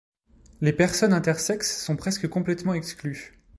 Les personnes intersexes sont presque complètement exclues.